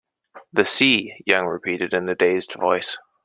"The sea," Young repeated in a dazed voice.